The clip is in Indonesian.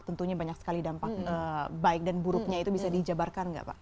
tentunya banyak sekali dampak baik dan buruknya itu bisa dijabarkan nggak pak